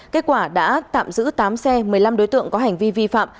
kết quả đã tạm giữ tám xe một mươi năm đối tượng có hành vi vi phạm